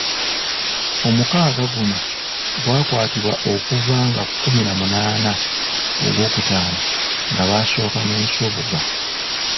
Omukaaga guno gwakwatibwa okuva nga kumi na munaana ogw'okutaano nga baasooka ne Nsubuga.